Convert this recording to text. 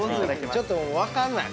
ちょっともう分かんない。